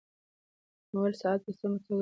د موبایل ساعت په سمه توګه تنظیم شوی نه و.